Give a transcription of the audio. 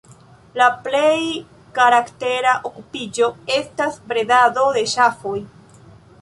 La plej karaktera okupiĝo estas bredado de ŝafoj.